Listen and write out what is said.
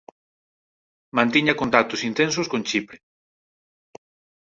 Mantiña contactos intensos con Chipre.